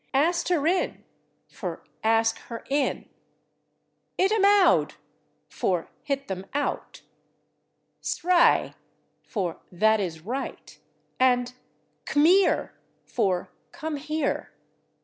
"ast 'er in" for "ask her in," "itt'm owd" for "hit them out," "sry" for "that is right," and "c'meer" for "come here."